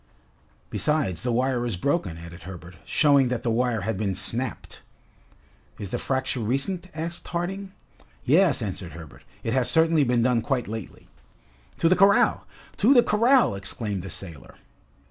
"Besides, the wire is broken," added Herbert, showing that the wire had been snapped. "Is the fracture recent?" asked Harding. "Yes," answered Herbert, "it has certainly been done quite lately." "To the corral! to the corral!" exclaimed the sailor.